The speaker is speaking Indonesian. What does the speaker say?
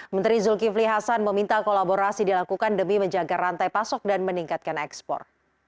menteri zulkifli hasan meminta kolaborasi dilakukan demi menjaga rantai pasok dan meningkatkan ekspor